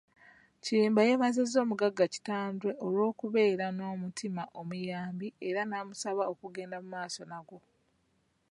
Kiyimba yeebazizza omugagga Kitandwe olw'okubeera n'omutima omuyambi era n'amusaba okugenda mu maaso nagwo.